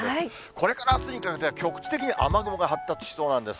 これからあすにかけて、局地的に雨雲が発達しそうなんです。